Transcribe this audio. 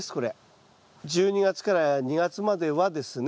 １２月から２月まではですね